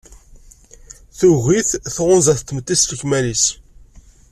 Tugi-t, tɣunza-t tmetti s lekmal-is.